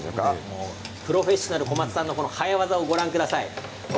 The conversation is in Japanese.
プロフェッショナル小松さんの早業をご覧ください。